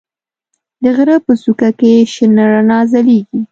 د غره په څوکه کې شنه رڼا ځلېږي.